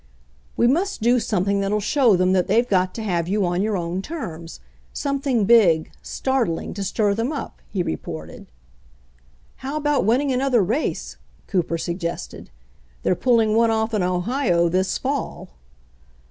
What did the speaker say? "We must do something that'll show them that they've got to have you on your own terms — something big — startling — to stir them up," he reported. "How about winning another race?" Cooper suggested. "They're pulling one off in Ohio this fall."